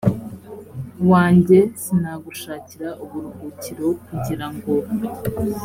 wanjye sinagushakira uburuhukiro kugira ngo